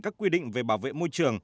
các quy định về bảo vệ môi trường